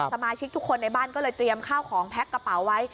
สมาชิกทุกคนในบ้านก็เลยเตรียมข้าวของแพ็คกระเป๋าไว้